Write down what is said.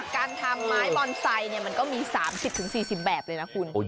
การทำไม้บอนไซค์มันก็มี๓๐๔๐แบบเลยนะคุณ